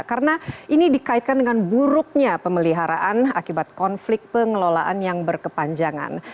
karena ini dikaitkan dengan buruknya pemeliharaan akibat konflik pengelolaan yang berkepanjangan